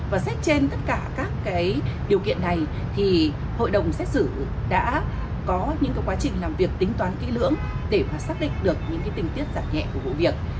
và xét trên tất cả các điều kiện này thì hội đồng xét xử đã có những quá trình làm việc tính toán kỹ lưỡng để xác định được những tình tiết giảm nhẹ của vụ việc